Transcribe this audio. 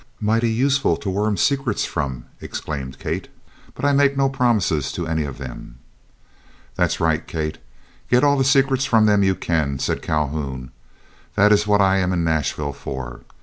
"Mighty useful to worm secrets from," exclaimed Kate; "but I make no promises to any of them." "That's right, Kate, get all the secrets from them you can," said Calhoun; "that is what I am in Nashville for.